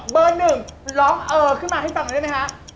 เบอร์๑ร้องเออขึ้นมาให้สักหน่อยได้ไหมคะ